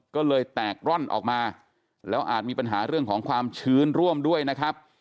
ก็เลยแตกร่อนออกมาแล้วอาจมีปัญหาเรื่องของความชื้นร่วมด้วยนะครับ